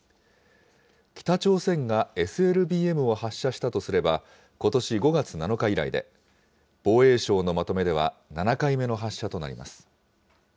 北朝鮮がＳＬＢＭを発射したとすれば、ことし５月７日以来で、防衛省のまとめでは、７回目の発射となります。